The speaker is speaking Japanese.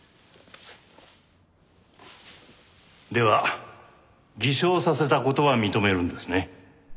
では偽証させた事は認めるんですね？